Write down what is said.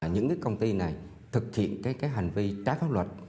những cái công ty này thực hiện cái hành vi trái pháp luật